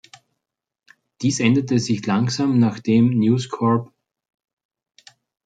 Dies änderte sich langsam, nachdem News Corp.